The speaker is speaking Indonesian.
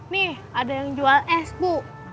nih ada yang jual es bu